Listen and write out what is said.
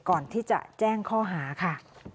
ก่อนที่จะแจ้งข้อหาค่ะ